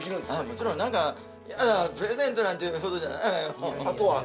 もちろんプレゼントなんて言うほどじゃないわよ。